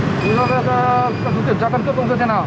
các chú kiểm tra căn cướp công dân thế nào